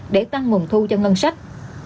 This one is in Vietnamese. để tăng nguồn thu cho ngân sách